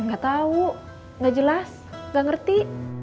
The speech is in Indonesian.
gak tau gak jelas gak ngerti